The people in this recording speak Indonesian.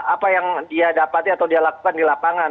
apa yang dia dapat atau dia lakukan di lapangan